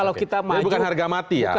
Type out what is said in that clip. jadi bukan harga mati ya